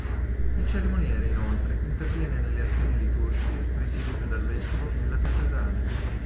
Il Cerimoniere inoltre, interviene nelle azioni liturgiche presiedute dal Vescovo nella Cattedrale.